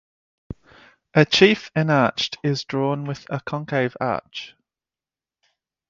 A chief enarched is drawn with a concave arch.